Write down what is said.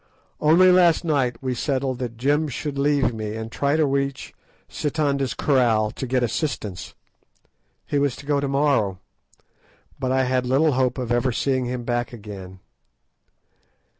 Only last night we settled that Jim should leave me, and try to reach Sitanda's Kraal to get assistance. He was to go to morrow, but I had little hope of ever seeing him back again.